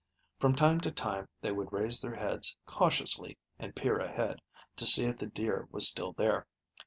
From time to time they would raise their heads cautiously and peer ahead, to see if the deer was still there.